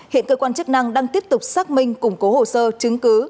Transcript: hiện cơ quan chức năng đang tiếp tục xác minh củng cố hồ sơ chứng cứ